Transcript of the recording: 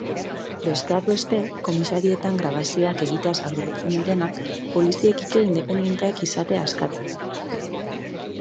Besteak beste, komisarietan grabazioak egiteaz arduratzen direnak poliziekiko independenteak izatea eskatzen du.